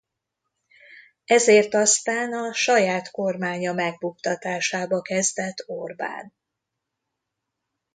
Ezért aztán a saját kormánya megbuktatásába kezdett Orban.